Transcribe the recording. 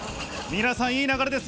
皆さんいい流れです。